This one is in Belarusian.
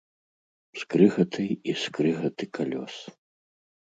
Скрыгаты і скрыгаты калёс.